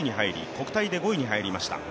国体で５位に入りました。